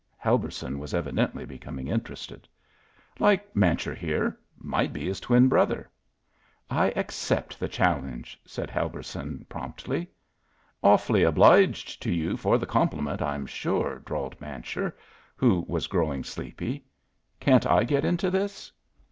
Helberson was evidently becoming interested. "Like Mancher, here might be his twin brother." "I accept the challenge," said Helberson, promptly. "Awfully obliged to you for the compliment, I'm sure," drawled Mancher, who was growing sleepy. "Can't I get into this?"